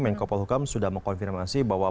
manko polohokam sudah mengkonfirmasi bahwa